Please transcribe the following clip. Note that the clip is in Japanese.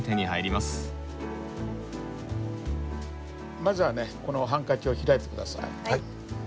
まずはねこのハンカチを開いて下さい。